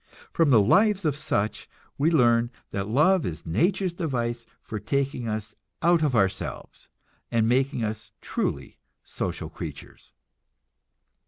From the lives of such we learn that love is nature's device for taking us out of ourselves, and making us truly social creatures.